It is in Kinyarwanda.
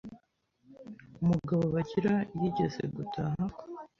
Umugabo Bagira yigeze gutaha